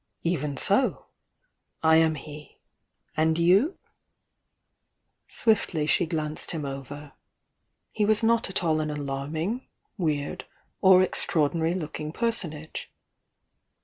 "Even so! I am he! And you 7" Swiftly she glanced him over. He was not at all an alarming, weird, or extraordinary looking person age.